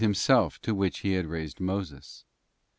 —— self to which He had raised Moses.